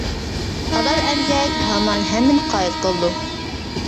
ھالال ئەمگەك ھامان ھەممىنى قايىل قىلىدۇ.